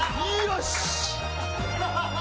よし！